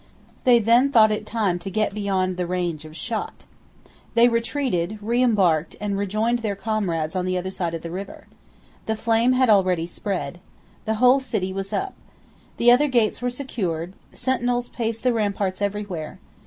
They then thought it time to get beyond the range of shot. They retreated, reembarked, and rejoined their comrades on the other side of the river. The flame had already spread. The whole city was up. The other gates were secured. Sentinels paced the ramparts everywhere.